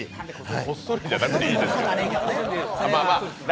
こっそりじゃなくていいですよ。